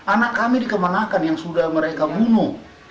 anak kami dikemanakan yang sudah mereka bunuh